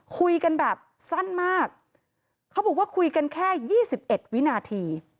คุยกันแบบสั้นมากเขาบอกว่าคุยกันแค่๒๑วินาที